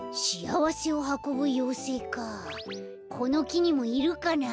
このきにもいるかなあ？